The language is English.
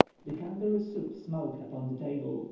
The kangaroo soup smoked upon the table.